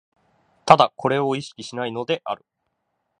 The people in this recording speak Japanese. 唯これを意識しないのである。